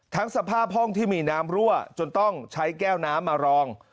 สภาพห้องที่มีน้ำรั่วจนต้องใช้แก้วน้ำมารอง